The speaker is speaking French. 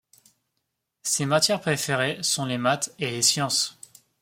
Ses matières préférées sont les maths et les sciences.